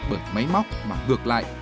bởi máy móc mà ngược lại